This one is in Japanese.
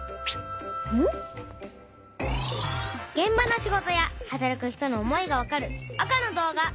げん場の仕事や働く人の思いがわかる赤の動画。